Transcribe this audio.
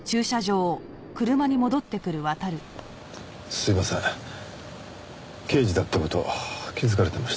すいません刑事だって事気づかれてました。